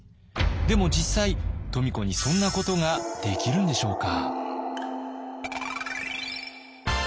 でも実際富子にそんなことができるんでしょうか？